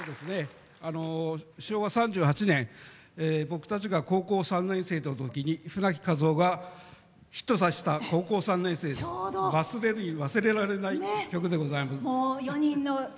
昭和３８年僕たちが高校３年生だったときに舟木一夫がヒットさせた「高校三年生」忘れるに忘れられない曲でございます。